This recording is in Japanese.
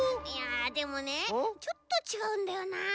いやでもねちょっとちがうんだよな。